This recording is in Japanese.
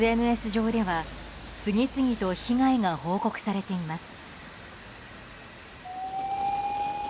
ＳＮＳ上では次々と被害が報告されています。